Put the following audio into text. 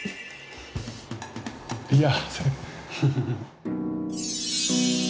いや。